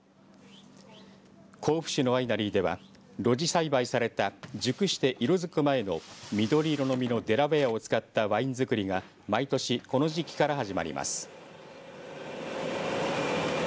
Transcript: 甲府市のワイナリーでは露地栽培された熟して色づく前の緑色の実のデラウエアを使ったワイン造りが毎年この時期から始まります。